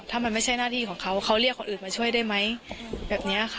ถ้ามันไม่ใช่หน้าที่ของเขาเขาเรียกคนอื่นมาช่วยได้ไหมแบบนี้ค่ะ